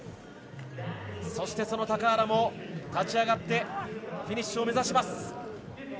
そして、その高原も立ち上がってフィニッシュを目指す。